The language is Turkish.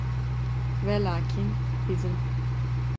Velakin, bizim.